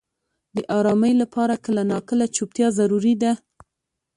• د آرامۍ لپاره کله ناکله چوپتیا ضروري ده.